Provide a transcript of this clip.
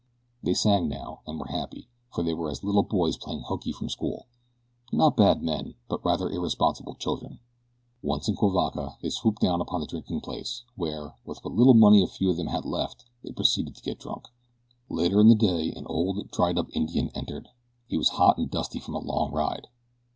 They sang now, and were happy, for they were as little boys playing hooky from school not bad men; but rather irresponsible children. Once in Cuivaca they swooped down upon the drinking place, where, with what little money a few of them had left they proceeded to get drunk. Later in the day an old, dried up Indian entered. He was hot and dusty from a long ride.